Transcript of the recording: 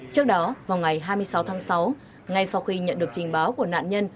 trước đó vào ngày hai mươi sáu tháng sáu ngay sau khi nhận được trình báo của nạn nhân